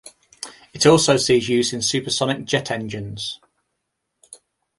It also sees use in supersonic jet engines.